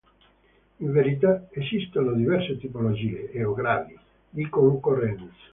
In verità esistono diverse tipologie, o gradi, di concorrenza.